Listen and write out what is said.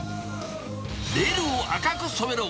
レールを赤く染めろ。